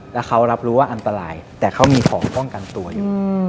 แล้วเขารับรู้ว่าอันตรายแต่เขามีของป้องกันตัวอยู่